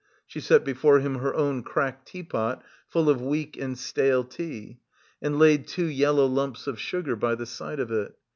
She set before him her own cracked teapot full of weak and stale tea and laid two yellow lumps of sugar by the side of it.